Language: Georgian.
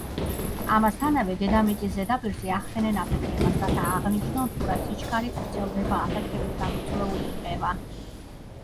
ამასთანავე დედამიწის ზედაპირზე ახდენენ აფეთქებას, რათა აღნიშნონ თუ რა სიჩქარით ვრცელდება აფეთქებით გამოწვეული რყევა.